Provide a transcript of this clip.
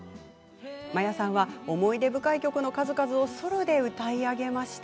真矢さんは思い出深い曲の数々をソロで歌い上げました。